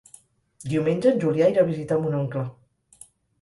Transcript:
Diumenge en Julià irà a visitar mon oncle.